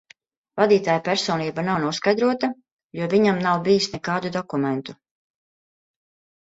Vadītāja personība nav noskaidrota, jo viņam nav bijis nekādu dokumentu.